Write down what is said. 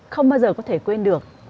không bao giờ có thể quên được